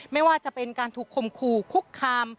ไม่ว่าจะเป็นการถูกคมขู่คุกคาม